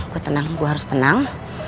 gue harus tenang